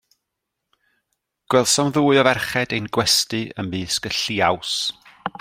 Gwelsom ddwy o ferched ein gwesty ymysg y lliaws.